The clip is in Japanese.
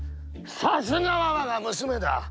さすがはわが娘だ！